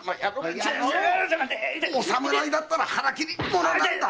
お侍だったら腹切りモノなんだ！